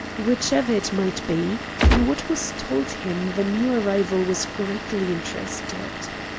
Whichever it might be, in what was told him the new arrival was greatly interested.